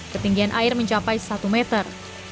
ketinggian air mencapai satu meter